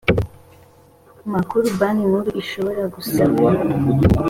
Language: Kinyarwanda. makuru banki nkuru ishobora gusaba